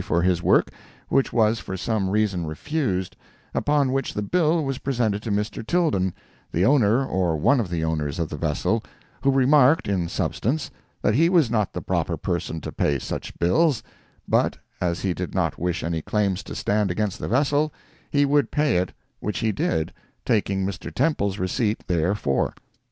for this work, which was for some reason refused, upon which the bill was presented to Mr. Tilden, the owner or one of the owners of the vessel, who remarked, in substance, that he was not the proper person to pay such bills, but, as he did not wish any claims to stand against the vessel, he would pay it, which he did, taking Mr. Temple's receipt there for.